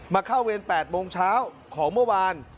เข้าเวร๘โมงเช้าของเมื่อวาน